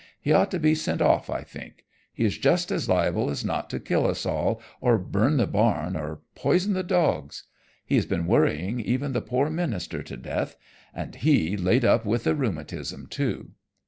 He ought to be sent off, I think. He is just as liable as not to kill us all, or burn the barn, or poison the dogs. He has been worrying even the poor minister to death, and he laid up with the rheumatism, too!